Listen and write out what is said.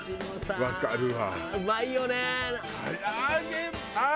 わかるわ。